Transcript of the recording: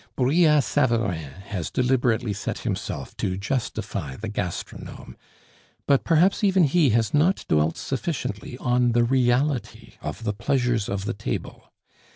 Brillat Savarin has deliberately set himself to justify the gastronome, but perhaps even he has not dwelt sufficiently on the reality of the pleasures of the table.